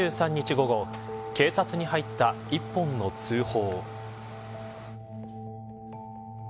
午後警察に入った一本の通報。